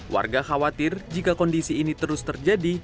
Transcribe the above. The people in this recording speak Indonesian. warga khawatir jika kondisi ini terus terjadi